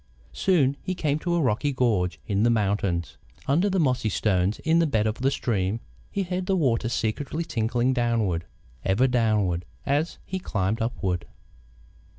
Soon he came to a rocky gorge in the mountains. Under the mossy stones in the bed of the stream, he heard the water secretly tinkling downward, ever downward, as he climbed upward.